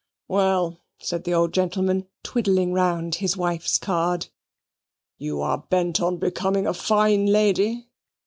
"Well," said the old gentleman, twiddling round his wife's card, "you are bent on becoming a fine lady.